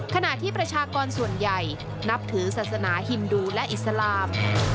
ขณะที่ประชากรส่วนใหญ่นับถือศาสนาฮินดูและอิสลาม